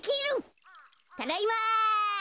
ただいま！